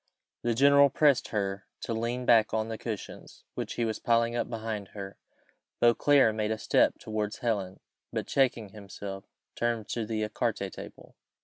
The general pressed her to lean back on the cushions which he was piling up behind her. Beauclerc made a step towards Helen, but checking himself, he turned to the ecarté table.